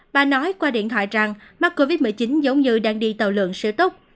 bà nói qua điện thoại rằng mắc covid một mươi chín giống như đang đi tàu lượng sữa tốc